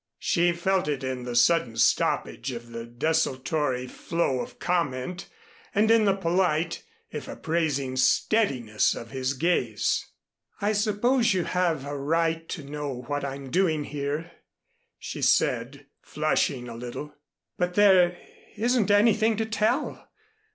She felt it in the sudden stoppage of the desultory flow of comment and in the polite, if appraising steadiness of his gaze. "I suppose you have a right to know what I'm doing here," she said flushing a little, "but there isn't anything to tell.